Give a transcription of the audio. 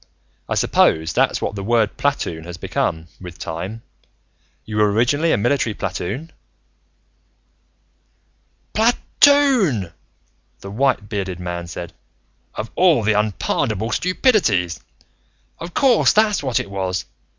I suppose that's what the word platoon has become, with time. You were, originally, a military platoon?" "Pla toon!" the white bearded man said. "Of all the unpardonable stupidities! Of course that's what it was.